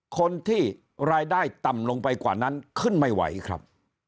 คนที่รายได้ต่ำลงไปกว่านั้นขึ้นไม่ไหวครับ